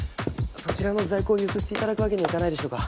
そちらの在庫を譲って頂くわけにはいかないでしょうか？